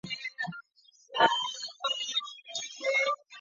河南罗山县人。